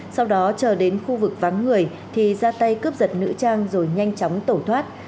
sau đó chờ đến khu vực vắng người thì ra tay cướp giật nữ trang rồi nhanh chóng tẩu thoát